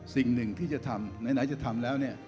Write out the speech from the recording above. สิ่งหนึ่งที่จะทำไหนจะทำแล้วเนี่ย